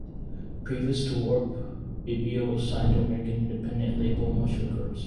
Previous to Warp, Bibio was signed to American independent label Mush Records.